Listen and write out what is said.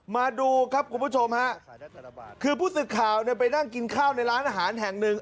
มาดูครับคุณผู้ชมฮะคือผู้สื่อข่าวเนี่ยไปนั่งกินข้าวในร้านอาหารแห่งหนึ่ง